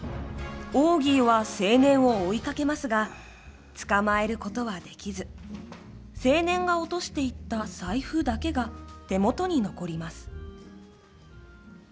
オーギーは青年を追いかけますが捕まえることはできず青年が落としていった財布だけが手元に残ります。